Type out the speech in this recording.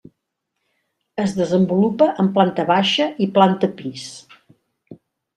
Es desenvolupa en planta baixa i planta pis.